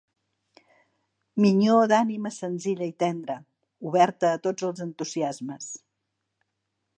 Minyó d'ànima senzilla i tendra, oberta a tots els entusiasmes